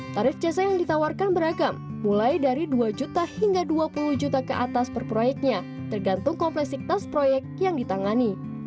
tarif jasa yang ditawarkan beragam mulai dari dua juta hingga dua puluh juta ke atas per proyeknya tergantung kompleksitas proyek yang ditangani